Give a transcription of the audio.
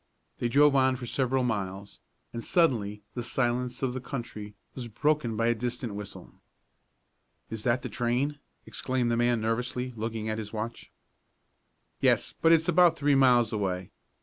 They drove on for several miles, and suddenly the silence of the country was broken by a distant whistle. "Is that the train?" exclaimed the man nervously, looking at his watch. "Yes, but it's about three miles away.